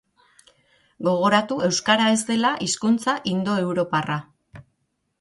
Gogoratu euskara ez dela hizkuntza indoeuroparra.